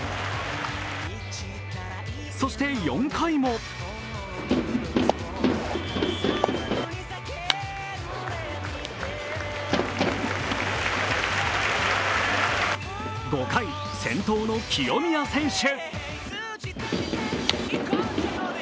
そして４回も５回、先頭の清宮選手。